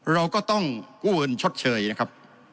เราก็ต้องกู้เงินชดเชยนะครับ